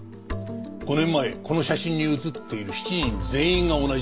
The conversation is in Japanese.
５年前この写真に写っている７人全員が同じだった。